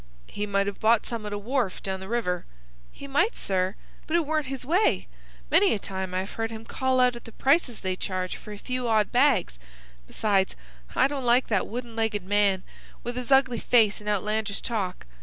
"He might have bought some at a wharf down the river." "He might, sir, but it weren't his way. Many a time I've heard him call out at the prices they charge for a few odd bags. Besides, I don't like that wooden legged man, wi' his ugly face and outlandish talk.